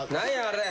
あれ。